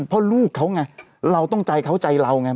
เพราะลูกเขาไงเราต้องใจเขาใจเราไง